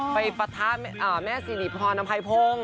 ไปประทานแม่สิริพรนภัยพงศ์